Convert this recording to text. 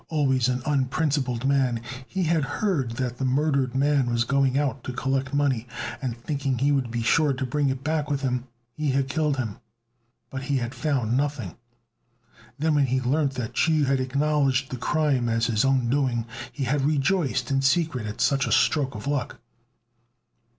Always an unprincipled man, he had heard that the murdered man was going out to collect money, and thinking he would be sure to bring it back with him, he had killed him, but had found nothing. Then when he learnt that Chu had acknowledged the crime as his own doing, he had rejoiced in secret at such a stroke of luck.